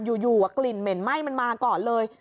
อยู่กลิ่นเหม็นไหม้มันมาก่อนเลย